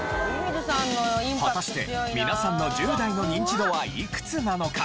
果たして皆さんの１０代のニンチドはいくつなのか？